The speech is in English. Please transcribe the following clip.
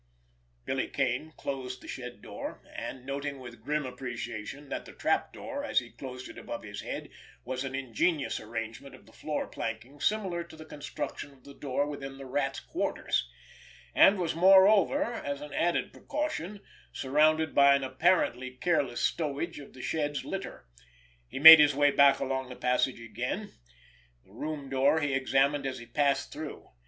Billy Kane closed the shed door; and, noting with grim appreciation that the trap door, as he closed it above his head, was an ingenious arrangement of the floor planking similar to the construction of the door within the Rat's quarters, and was moreover, as an added precaution, surrounded by an apparently careless stowage of the shed's litter, he made his way back along the passage again. The room door he examined as he passed through.